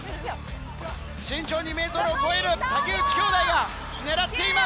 身長２ｍを超える竹内兄弟が狙っています！